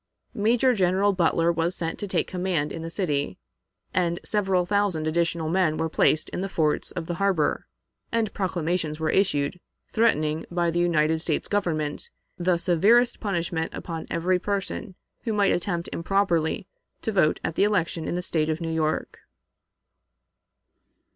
Major General Butler was sent to take command in the city, and seven thousand additional men were placed in the forts of the harbor, and proclamations were issued, threatening, by the United States Government, the severest punishment upon every person who might attempt improperly to vote at the election in the State of New York.